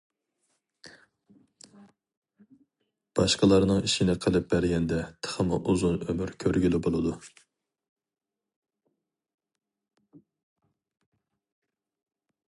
باشقىلارنىڭ ئىشىنى قىلىپ بەرگەندە تېخىمۇ ئۇزۇن ئۆمۈر كۆرگىلى بولىدۇ.